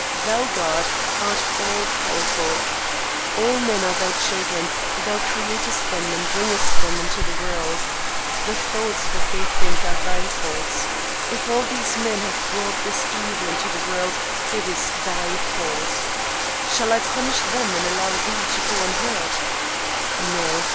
Thou, God, art all powerful. All men are thy children, thou createst them and bringest them into the world. The thoughts that they think are thy thoughts. If all these men have brought all this evil into the world, it is thy fault. Shall I punish them and allow thee to go unhurt? No.